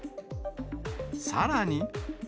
さらに。